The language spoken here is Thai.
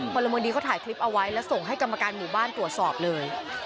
พลเมืองดีเขาถ่ายคลิปเอาไว้แล้วส่งให้กรรมการหมู่บ้านตรวจสอบเลย